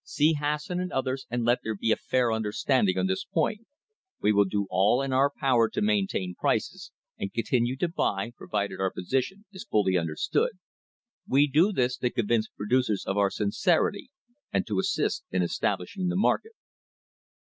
See Hasson and others and let there be a fair understanding on this point. W e will do all in our power to maintain prices, and continue to buy, provided our position is fully understood. We do this to convince producers of our sincerity, and to assist in establishing the market."